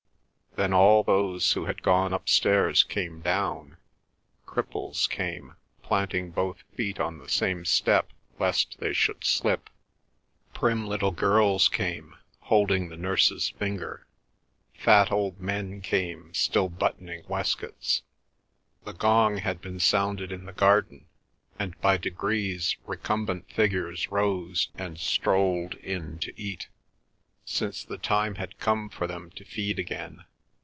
Then all those who had gone upstairs came down; cripples came, planting both feet on the same step lest they should slip; prim little girls came, holding the nurse's finger; fat old men came still buttoning waistcoats. The gong had been sounded in the garden, and by degrees recumbent figures rose and strolled in to eat, since the time had come for them to feed again.